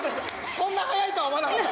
そんな速いとは思わなかった。